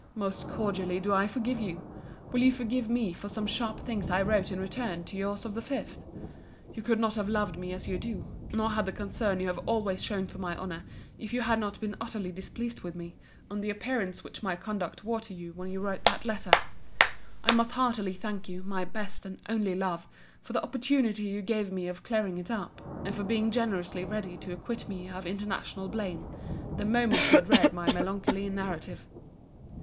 —Most cordially do I forgive you—Will you forgive me for some sharp things I wrote in return to your's of the 5th? You could not have loved me as you do, nor had the concern you have always shown for my honour, if you had not been utterly displeased with me, on the appearance which my conduct wore to you when you wrote that letter. I most heartily thank you, my best and only love, for the opportunity you gave me of clearing it up; and for being generously ready to acquit me of intentional blame, the moment you had read my melancholy narrative.